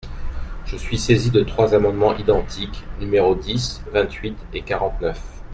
Je suis saisi de trois amendements identiques, numéros dix, vingt-huit et quarante-neuf.